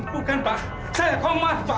bukan pak saya komar pak